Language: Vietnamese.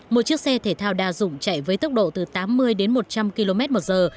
một chiếc xe thể thao đa dụng chạy với tốc độ từ tám mươi đến một trăm linh km một giờ